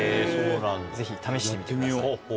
ぜひ試してみてください。